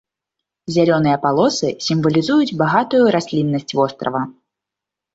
Зялёныя палосы сімвалізуюць багатую расліннасць вострава.